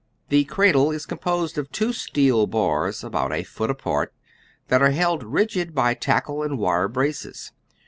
This cradle is composed of two steel bars, about a foot apart, that are held rigid by tackle and wire braces.